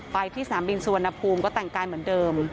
ไปที่สนามบินสุวรรณภูมิก็แต่งกายเหมือนเดิม